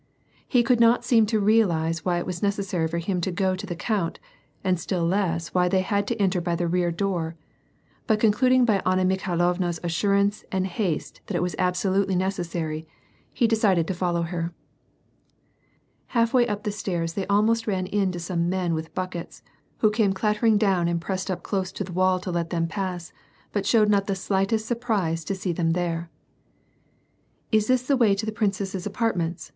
He could not seem to realize why it was necessary for him to go to the count, and still less why they had to enter by the rear door, but concluding by Anna Mikhai lovna's assurance and haste th<at it was absolutely necessary, he decided to follow her. Half way up the stairs they almost ran into some men with buckets, who came clattering down and pressed up close to the wall to let them pass, but showed not the slightest sur prise to see them there. Is this the way to the princesses' apartments?"